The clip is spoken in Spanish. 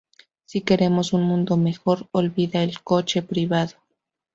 Si queremos un mundo mejor, olvida el coche privado